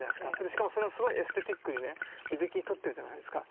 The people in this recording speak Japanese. しかもそれはすごいエステティックにね美的に撮ってるじゃないですか。